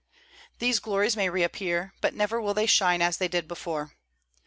These glories may reappear, but never will they shine as they did before.